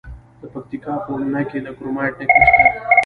د پکتیکا په اومنه کې د کرومایټ نښې شته.